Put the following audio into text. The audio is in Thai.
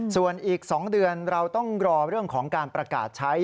ส่วนอีก๒เดือนเราต้องรอเรื่องของการประกาศใช้